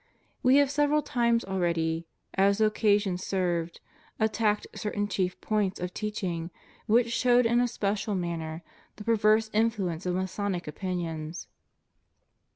We have several times already, as occasion served, attacked certain chief points of teaching which showed in a special manner the perverse influence of Masonic opinions.